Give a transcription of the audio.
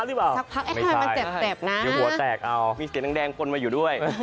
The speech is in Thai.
นี่เขามีทะลงทะเลเขาอยู่